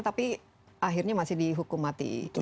tapi akhirnya masih dihukum mati